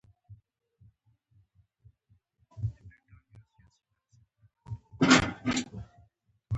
دغه نظم عصبي او انډوکراین سیستمونه را منځته کوي.